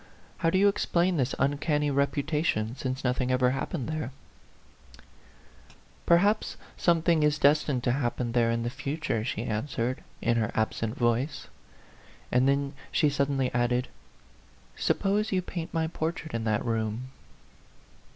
How do you explain this uncanny reputation, since nothing ever happened there ?"" Perhaps something is destined to happen there in the future," she answered, in her ab sent voice. And then she suddenly added, "Suppose you paint my portrait in that room